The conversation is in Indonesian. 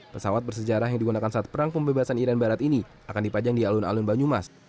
pesawat bersejarah yang digunakan saat perang pembebasan iran barat ini akan dipajang di alun alun banyumas